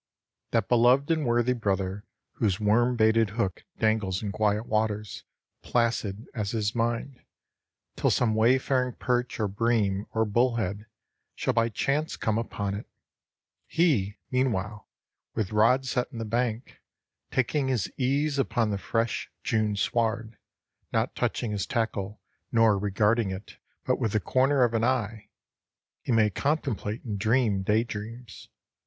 That beloved and worthy brother whose worm baited hook dangles in quiet waters, placid as his mind till some wayfaring perch, or bream, or bullhead shall by chance come upon it, he, meanwhile, with rod set in the bank, taking his ease upon the fresh June sward, not touching his tackle nor regarding it but with the corner of an eye he may contemplate and dream day dreams.